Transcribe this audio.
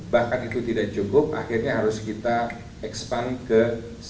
bahkan itu tidak cukup akhirnya harus kita expand ke c tiga